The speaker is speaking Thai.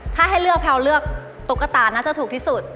ถ้าให้เลือกแพลวเลือกตุ๊กตาน่าจะถูกที่สุด